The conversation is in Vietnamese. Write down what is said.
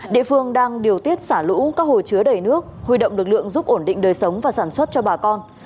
địa phương đang điều tiết xả lũ các hồ chứa đầy nước huy động lực lượng giúp ổn định đời sống và sản xuất cho bà con